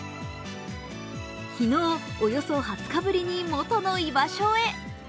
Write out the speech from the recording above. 昨日およそ２０日ぶりに元の居場所へ。